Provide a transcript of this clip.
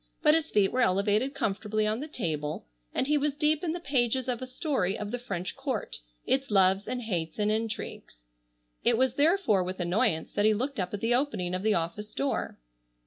But his feet were elevated comfortably on the table and he was deep in the pages of a story of the French Court, its loves and hates and intrigues. It was therefore with annoyance that he looked up at the opening of the office door.